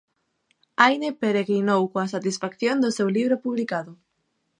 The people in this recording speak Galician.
Áine peregrinou coa satisfacción do seu libro publicado.